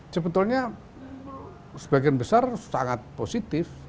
sebetulnya sebagian besar sangat positif